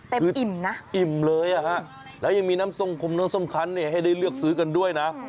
เต็มอิ่มนะอิ่มเลยนะฮะแล้วยังมีน้ำสมคัญให้ได้เลือกซื้อกันด้วยนะ